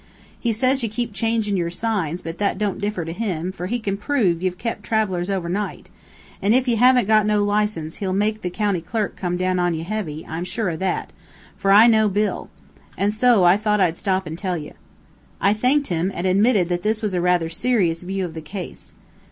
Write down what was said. He says ye keep changin' yer signs, but that don't differ to him, for he kin prove ye've kept travelers overnight, an' ef ye haven't got no license he'll make the county clerk come down on ye heavy, I'm sure o' that, fur I know Bill. An' so, I thought I'd stop an' tell ye." I thanked him, and admitted that this was a rather serious view of the case.